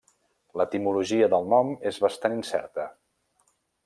L'etimologia del nom és bastant incerta.